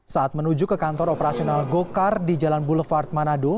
saat menuju ke kantor operasional gokar di jalan boulevard manado